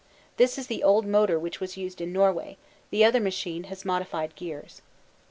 This is the old motor which was used in Norway; the other machine has modified gears.